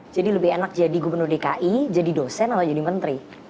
jadi lebih enak jadi gubernur dki jadi dosen atau jadi menteri